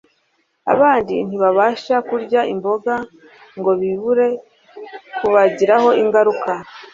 Abandi ntibabasha kurya imboga ngo bibure kubagiraho ingaruka